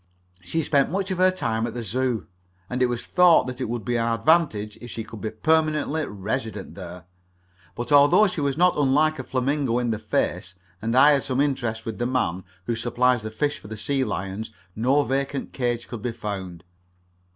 She spent much of her time at the Zoo, and it was thought that it would be an advantage if she could be permanently resident there. But although she was not unlike a flamingo in the face, and I had some interest with the man who supplies the fish for the sea lions, no vacant cage could be found.